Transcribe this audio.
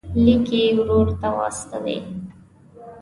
لیک یې ورور ته استوي.